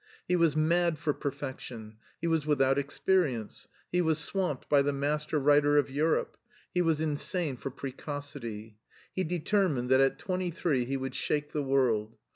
He was mad for perfection, he was without experience, he was swamped by the master writer of Europe, he was insane for precocity. He determined that at twenty three he would shake the world.